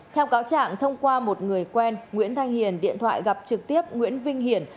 theo cáo trạng thông qua một người quen nguyễn thanh hiền điện thoại gặp trực tiếp nguyễn vinh hiển